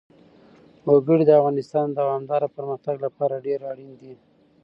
وګړي د افغانستان د دوامداره پرمختګ لپاره ډېر اړین دي.